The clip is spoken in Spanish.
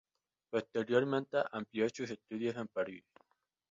Posteriormente amplió sus estudios en Paris.